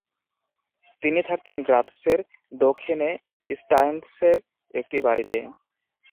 তিনি থাকতেন গ্রাৎসের দক্ষিণে স্টাইনৎসের একটি বাড়িতে।